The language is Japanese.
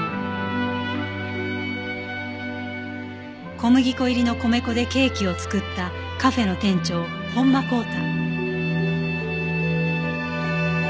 小麦粉入りの米粉でケーキを作ったカフェの店長本間航太。